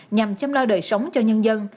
nhằm chăm lo đời sống cho nhân dân